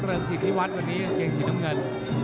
เริ่มสิทธิวัดวันนี้เกงสีน้ำเงิน